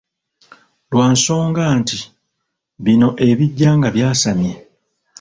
Lwa nsonga nti, bino ebijja nga byasamye.